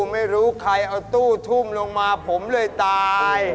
ไม่รู้ใครเอาตู้ทุ่มลงมาผมเลยตาย